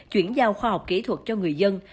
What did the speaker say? chuyển giao khoa học kỹ thuật cho người dân